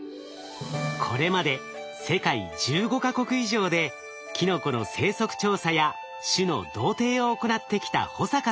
これまで世界１５か国以上でキノコの生息調査や種の同定を行ってきた保坂さん。